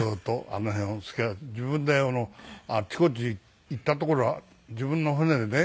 自分であっちこっち行った所自分の船でね